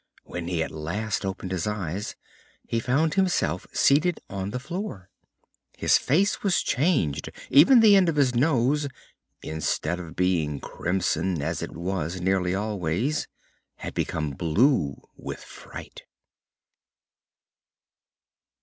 When he at last opened his eyes he found himself seated on the floor. His face was changed, even the end of his nose, instead of being crimson, as it was nearly always, had become blue from fright.